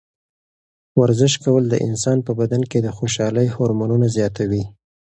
ورزش کول د انسان په بدن کې د خوشحالۍ هورمونونه زیاتوي.